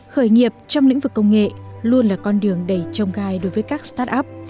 khởi nghiệp trong lĩnh vực công nghệ luôn là con đường đầy trông gai đối với các start up